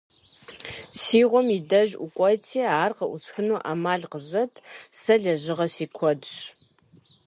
- Си гъуэм и деж ӀукӀуэти, ар къыӀусхыну Ӏэмал къызэт, сэ лэжьыгъэ си куэдщ.